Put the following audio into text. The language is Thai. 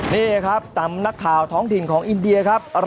นี่ครับสำนักข่าวท้องถิ่นของอินเดียครับ